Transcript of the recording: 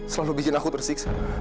selalu bikin aku tersiksa